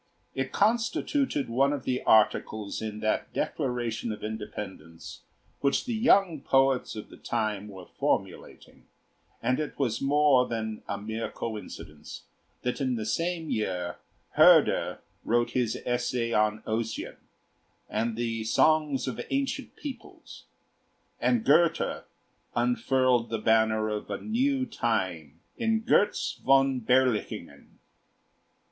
It constituted one of the articles in that declaration of independence which the young poets of the time were formulating, and it was more than a mere coincidence that in the same year Herder wrote his essay on 'Ossian' and the 'Songs of Ancient Peoples,' and Goethe unfurled the banner of a new time in 'Götz von Berlichingen.'